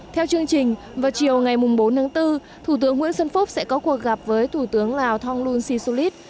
theo chương trình vào chiều ngày bốn tháng bốn thủ tướng nguyễn xuân phúc sẽ có cuộc gặp với thủ tướng lào thonglun sisulit